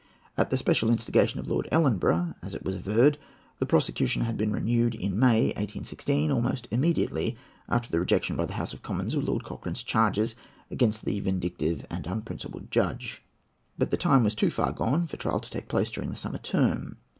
At the special instigation of Lord Ellenborough, as it was averred, the prosecution had been renewed in May, 1816, almost immediately after the rejection by the House of Commons of Lord Cochrane's charges against the vindictive and unprincipled judge; but the time was too far gone for trial to take place during the summer term.